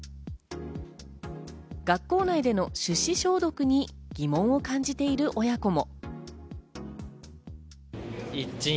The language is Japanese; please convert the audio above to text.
学校内での手指消毒に疑問を感じている親子も。